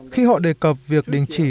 khi họ đề cập việc đình chỉ